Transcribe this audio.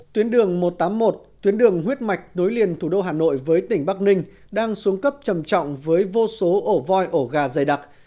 tuyến đường một trăm tám mươi một tuyến đường huyết mạch nối liền thủ đô hà nội với tỉnh bắc ninh đang xuống cấp trầm trọng với vô số ổ voi ổ gà dày đặc